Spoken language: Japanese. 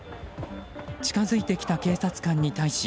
近づいてきた警察官に対し。